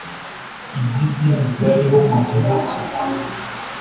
iby’idini byariho mu gihe cye.